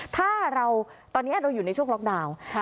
ถ้าเราตอนนี้เราอยู่ในช่วงล็อกดาวน์